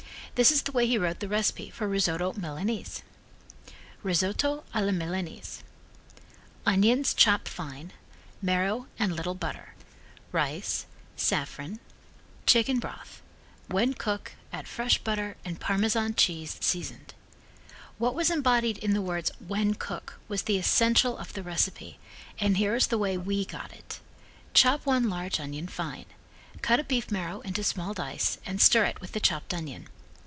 This is the way he wrote the recipe for Risotto Milanaise: Risotto ala Milanaise "Onions chop fine marrow and little butter rice saffron chicken broth wen cook add fresh butter and Parmesan cheese seasoned." What was embodied in the words "wen cook" was the essential of the recipe and here is the way we got it: Chop one large onion fine. Cut a beef marrow into small dice and stir it with the chopped onion.